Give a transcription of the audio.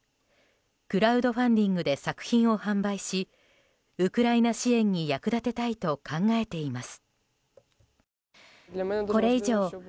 クラウドファンディングで作品を販売しウクライナ支援に役立てたいと考えています。